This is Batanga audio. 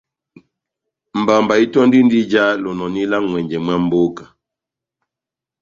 Mbamba itöndindi ijá lonòni lá n'ŋwɛnjɛ mwa mboka.